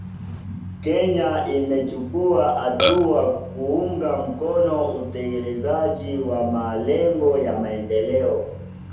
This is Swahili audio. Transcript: Kenya imechukua hatua kuunga mkono utekelezaji wa malengo ya maendeleo